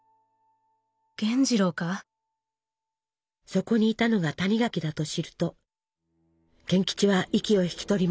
そこにいたのが谷垣だと知ると賢吉は息を引き取ります。